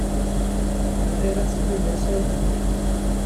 Bɣiɣ ad teddu d asawen.